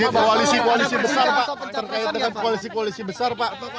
terkait dengan koalisi besar